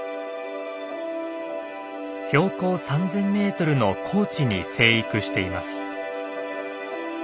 標高３，０００メートルの高地に生育しています。